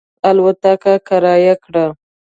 الوتکه کرایه کړه.